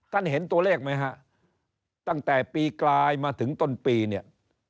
เห็นตัวเลขไหมฮะตั้งแต่ปีกลายมาถึงต้นปีเนี่ย